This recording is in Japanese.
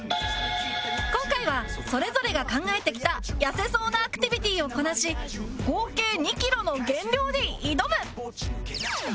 今回はそれぞれが考えてきた痩せそうなアクティビティをこなし合計２キロの減量に挑む！